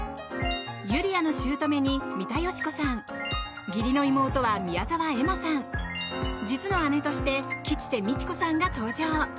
ゆりあの姑に三田佳子さん義理の妹は宮澤エマさん実の姉として吉瀬美智子さんが登場。